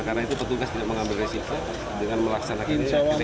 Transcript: karena itu petugas tidak mengambil resiko dengan melaksanakan ini